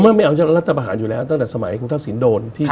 ผมก็ไม่เอาอย่างรัฐบาหารอยู่แล้วตั้งแต่สมัยคุณท่าสินโดน